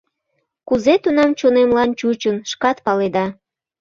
Кузе тунам чонемлан чучын, шкат паледа!